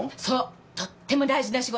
とっても大事な仕事よ。